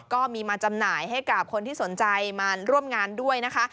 ก็มีมาจำหน่ายให้กับคนที่สนใจมาร่วมงานด้วยนะคะ